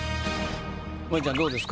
もえちゃんどうですか？